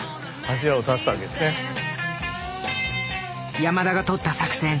山田がとった作戦。